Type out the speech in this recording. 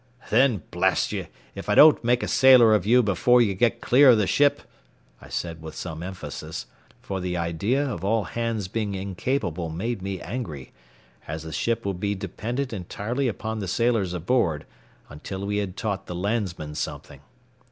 "Then, blast you, if I don't make a sailor of you before you get clear of the ship," I said with some emphasis; for the idea of all hands being incapable made me angry, as the ship would be dependent entirely upon the sailors aboard, until we had taught the landsmen something.